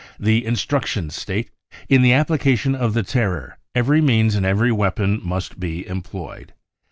The instruc tions state 4 In the application of the terror, every means * and every weapon must be employed